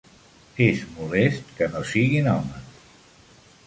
És molest que no siguin homes.